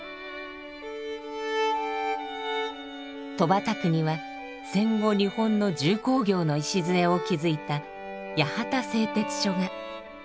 戸畑区には戦後日本の重工業の礎を築いた八幡製鉄所が。